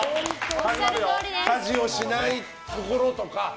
家事をしないところとか。